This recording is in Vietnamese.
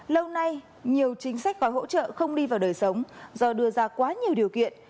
lâu nay nhiều chính sách gói hỗ trợ không đi vào đời sống do đưa ra quá nhiều điều kiện